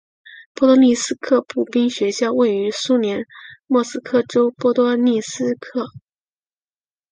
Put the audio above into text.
波多利斯克步兵学校位于苏联莫斯科州波多利斯克。